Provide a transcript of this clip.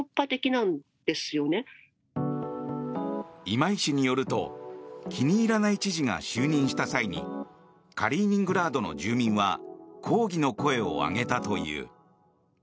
今井氏によると気に入らない知事が就任した際にカリーニングラードの住民は抗議の声を上げたという。